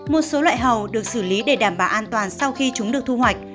một số loại hầu được xử lý để đảm bảo an toàn sau khi chúng được thu hoạch